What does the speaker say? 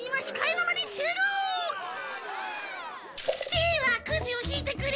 ではくじを引いてくれ。